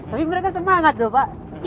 tapi mereka semangat pak